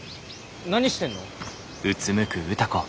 何してんの？